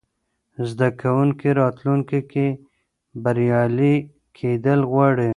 زده کوونکي راتلونکې کې بریالي کېدل غواړي.